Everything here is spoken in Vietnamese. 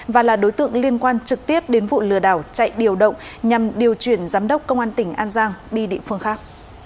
và là đối tượng liên quan trực tiếp đến vụ lừa đảo chạy điều động nhằm điều chuyển giám đốc công an tỉnh an giang đi địa phương khác